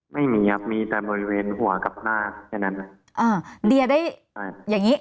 ไม่มีครับมีแต่บริเวณหัวกับหน้าแค่นั้น